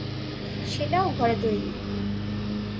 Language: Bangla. সেটাও ঘরে তৈরি।